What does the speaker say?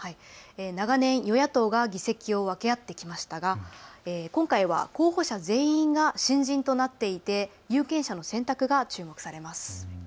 長年、与野党が議席を分け合ってきましたが今回は候補者全員が新人となっていて有権者の選択が注目されます。